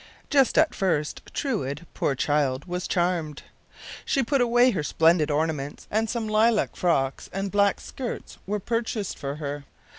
Just at first Truide, poor child, was charmed. She put away her splendid ornaments, and some lilac frocks and black skirts were purchased for her.